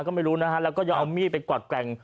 ก็ไม่รู้นะฮะแล้วก็ยังเอามีดไปกวัดแกว่ง